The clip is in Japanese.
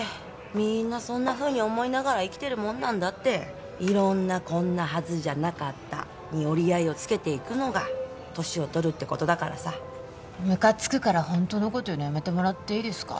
みんなそんなふうに思いながら生きてるもんなんだって色んな「こんなはずじゃなかった」に折り合いをつけていくのが年を取るってことだからさムカつくからホントのこと言うのやめてもらっていいですか？